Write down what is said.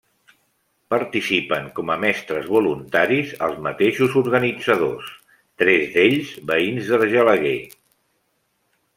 Participen com a mestres voluntaris els mateixos organitzadors, tres d'ells veïns d'Argelaguer.